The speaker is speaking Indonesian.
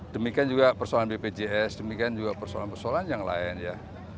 demikian juga persoalan bpjs demikian juga persoalan persoalan yang lain ya